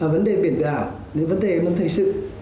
vấn đề biển đảo vấn đề mắc thời sự